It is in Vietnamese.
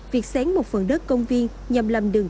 việc xén một phần đất công viên nhằm làm đường